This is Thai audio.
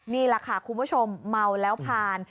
นี่แหละค่ะคุณผู้ชมเมาแล้วผ่าน